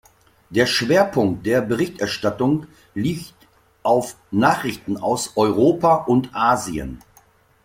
Der Schwerpunkt der Berichterstattung liegt auf Nachrichten aus Europa und Asien.